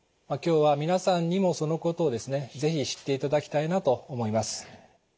今日は皆さんにもそのことをですね是非知っていただきたいなと思います。